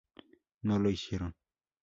No lo hicieron.